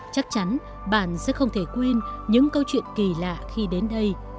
chắc chắn bạn sẽ không thể quên những câu chuyện kỳ lạ khi đến đây